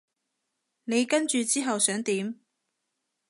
你跟住之後想點？